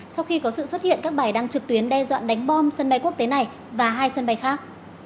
sau khi có sự xuất hiện các bài đăng trực tuyến đe dọa đánh bom sân bay quốc tế này và hai sân bay khác